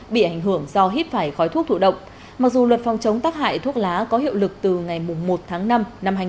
bị ảnh hưởng do hít phải khói thuốc thủ động mặc dù luật phòng chống tắc hại thuốc lá có hiệu lực từ ngày một tháng năm năm hai nghìn một mươi chín